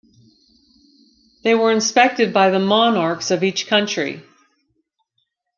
They were inspected by the monarchs of each country.